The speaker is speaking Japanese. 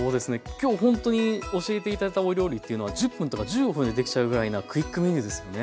今日ほんとに教えて頂いたお料理というのは１０分とか１５分でできちゃうぐらいなクイックメニューですよね。